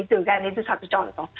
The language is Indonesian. itu kan itu satu contoh